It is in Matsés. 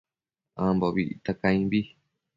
Ambobi icta caimbi